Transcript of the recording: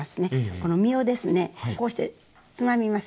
この実をですねこうしてつまみますね。